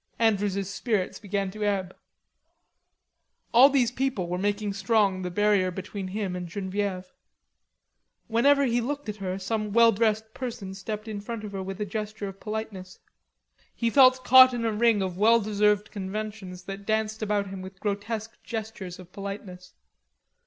Andrews's spirits began to ebb. All these people were making strong the barrier between him and Genevieve. Whenever he looked at her, some well dressed person stepped in front of her with a gesture of politeness. He felt caught in a ring of well dressed conventions that danced about him with grotesque gestures of politeness.